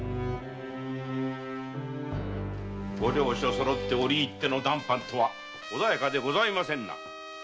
ご両所そろって折り入っての談判とは穏やかでございませんな。